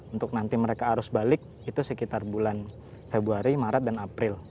untuk nanti mereka arus balik itu sekitar bulan februari maret dan april